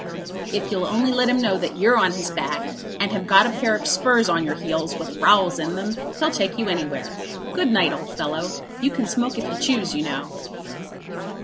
If you'll only let him know that you're on his back, and have got a pair of spurs on your heels with rowels in them, he'll take you anywhere. Good night, old fellow. You can smoke if you choose, you know."